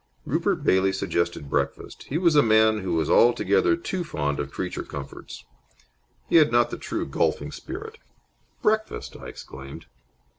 Rupert Bailey suggested breakfast. He was a man who was altogether too fond of creature comforts. He had not the true golfing spirit. "Breakfast!" I exclaimed.